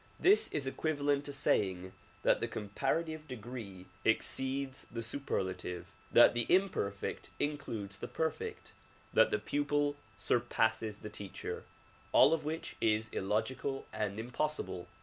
This is equivalent to saying that the comparative degree exceeds the superlative, that the imperfect includes the perfect, that the pupil surpasses the teacher ; all of which is illogical and impossible.